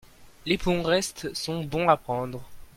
les bons restes sont bons à prendre.